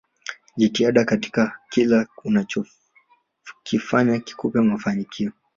Jitahidi katika kila unachokifanya kikupe mafanikio